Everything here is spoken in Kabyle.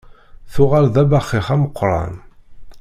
Tuɣal d abaxix ameqqran.